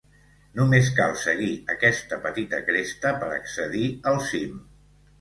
Només cal seguir aquesta petita cresta per accedir al cim.